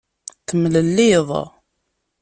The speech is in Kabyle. Temlelliḍ.